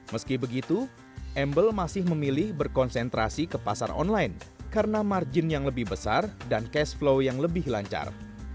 meski begitu embel masih memilih berkonsentrasi ke pasar online karena margin yang lebih besar dan cash flow yang lebih lancar